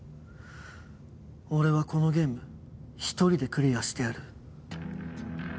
俺はこのゲーム一人でクリアしてやる。